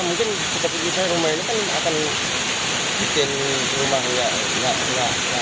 mungkin setelah pusing rumah ini kan akan bikin rumahnya